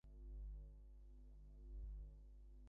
অক্ষয় তাহাকে দেখিয়াই উঠিয়া পড়িল, কহিল, যোগেন, আমি আজ তবে আসি।